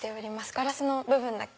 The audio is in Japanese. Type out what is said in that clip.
ガラスの部分だけ。